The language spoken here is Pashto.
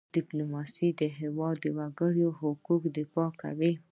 ډيپلومات د هېواد د وګړو د حقوقو دفاع کوي .